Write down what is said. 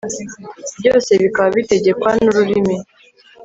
byose bikaba bitegekwa n'ururimi